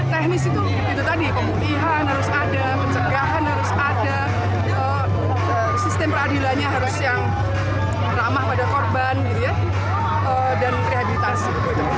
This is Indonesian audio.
teknis itu tadi pemulihan harus ada pencegahan harus ada sistem peradilannya harus yang ramah pada korban dan rehabilitasi